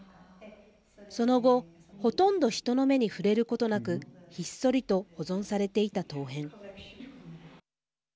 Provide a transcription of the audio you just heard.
その後、ほとんど人の目に触れることなくひっそりと保存されていた陶片。